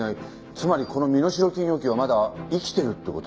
つまりこの身代金要求はまだ生きてるって事ですよね。